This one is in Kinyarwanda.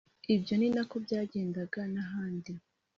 Ibyo ni na ko byagendaga n ahandi